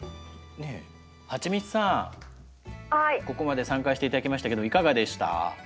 ここまで参加して頂きましたけどいかがでした？